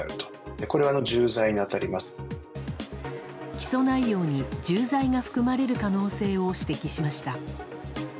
起訴内容に重罪が含まれる可能性を指摘しました。